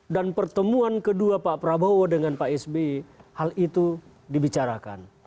dan pertemuan kedua pak prabowo dengan pak s b hal itu dibicarakan